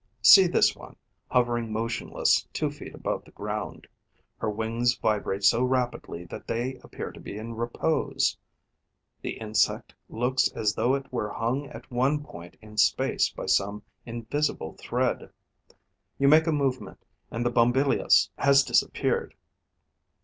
See this one, hovering motionless two feet above the ground. Her wings vibrate so rapidly that they appear to be in repose. The insect looks as though it were hung at one point in space by some invisible thread. You make a movement; and the Bombylius has disappeared.